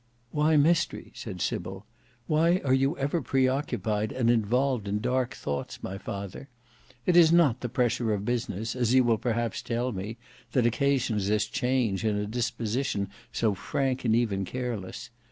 "Why mystery?" said Sybil. "Why are you ever pre occupied and involved in dark thoughts, my father? It is not the pressure of business, as you will perhaps tell me, that occasions this change in a disposition so frank and even careless.